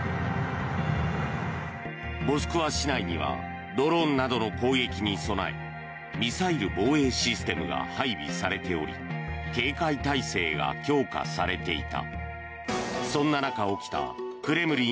モスクワ市内にはドローンなどの攻撃に備えミサイル防衛システムが配備されており警戒態勢が強化されていた。